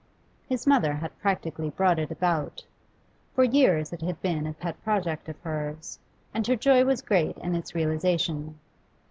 His mother had practically brought it about; for years it had been a pet project of hers, and her joy was great in its realisation.